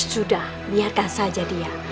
sudah biarkan saja dia